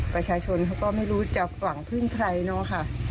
ประชาชนเขาก็ไม่รู้จะหวังพึ่งใครเนาะค่ะ